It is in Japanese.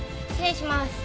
お願いします。